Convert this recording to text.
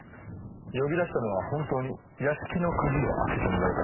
呼び出したのは本当に屋敷の鍵を開けてもらうため。